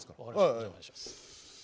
お願いします。